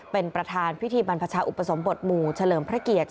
เป็นประธานพิธีบรรพชาอุปสมบทหมู่เฉลิมพระเกียรติ